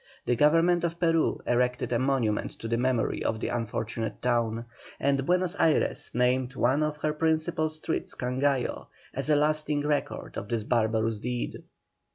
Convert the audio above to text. The Government of Peru erected a monument to the memory of the unfortunate town, and Buenos Ayres named one of her principal streets Cangallo, as a lasting record of this barbarous deed.